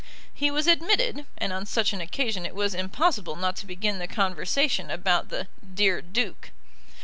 He was admitted, and on such an occasion it was impossible not to begin the conversation about the "dear Duke."